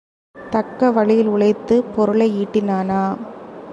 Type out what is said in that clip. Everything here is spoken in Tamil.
தக்க வழியில் உழைத்துப் பொருளை ஈட்டினானா?